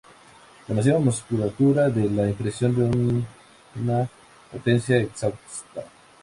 La masiva musculatura da la impresión de una potencia exhausta.